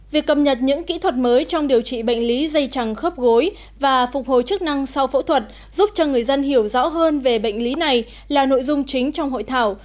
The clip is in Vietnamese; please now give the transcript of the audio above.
việc cập nhật những kỹ thuật mới trong điều trị bệnh lý dây chẳng khớp gối và phục hồi chức năng sau phẫu thuật giúp cho người dân hiểu rõ hơn về bệnh lý này là nội dung chính trong hội thảo